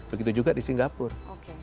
begitu juga di singapura